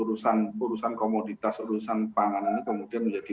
urusan komoditas urusan pangan ini kemudian menjadi